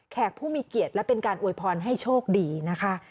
ผู้มีเกียรติและเป็นการอวยพรให้โชคดีนะคะ